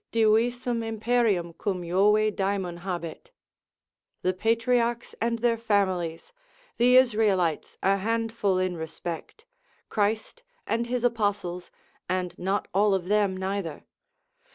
Divisum imperium cum Jove Daemon habet. The patriarchs and their families, the Israelites a handful in respect, Christ and his apostles, and not all of them, neither.